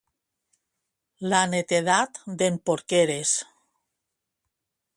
La netedat d'en Porqueres.